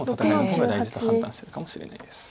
大事と判断してるかもしれないです。